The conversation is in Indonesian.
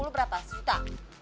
sepuluh berapa satu juta